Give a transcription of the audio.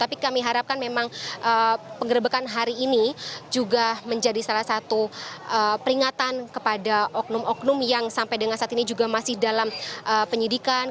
tapi kami harapkan memang penggerbekan hari ini juga menjadi salah satu peringatan kepada oknum oknum yang sampai dengan saat ini juga masih dalam penyidikan